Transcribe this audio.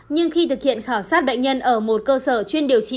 nhưng khi thực hiện khảo sát bệnh nhân ở một cơ sở chuyên điều trị